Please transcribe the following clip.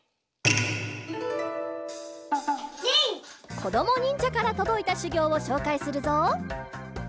こどもにんじゃからとどいたしゅぎょうをしょうかいするぞ。